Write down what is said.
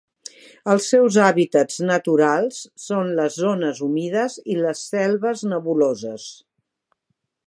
Els seus hàbitats naturals són les zones humides i les selves nebuloses.